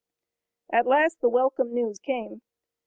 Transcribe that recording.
At last the welcome news came.